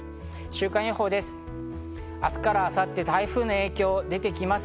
週間予報です。